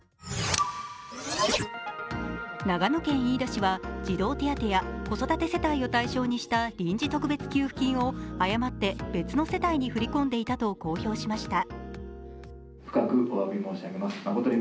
長野県飯田市は児童手当や子育て世帯を対象にした臨時特別給付金を誤って別の世帯に振り込んでいたと公表しました。